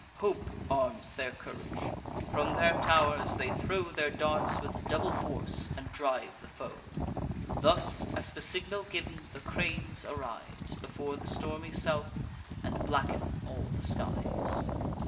Hope arms their courage: from their tow'rs they throw Their darts with double force, and drive the foe. Thus, at the signal giv'n, the cranes arise Before the stormy south, and blacken all the skies.